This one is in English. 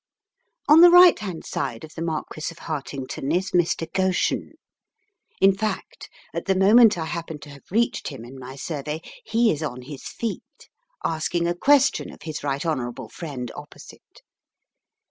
On the right hand side of the Marquis of Hartington is Mr. Goschen. In fact, at the moment I happen to have reached him in my survey he is on his feet, asking a question of his "right hon. friend opposite."